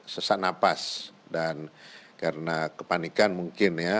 sesak napas dan karena kepanikan mungkin ya